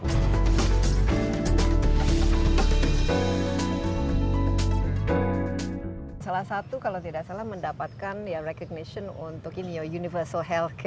salah satu kalau tidak salah mendapatkan recognition untuk universal health care